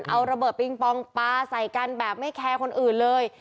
เอาระเบิดปิงปองปลาใส่กันแบบไม่แคร์คนอื่นเลย